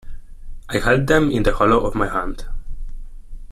I held them in the hollow of my hand.